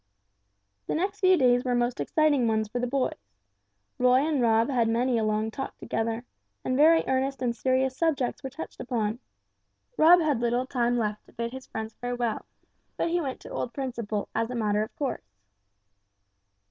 The next few days were most exciting ones for the boys. Roy and Rob had many a long talk together, and very earnest and serious subjects were touched upon. Rob had little time left to bid his friends farewell, but he went to old Principle, as a matter of course.